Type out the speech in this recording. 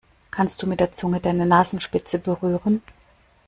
Kannst du mit der Zunge deine Nasenspitze berühren?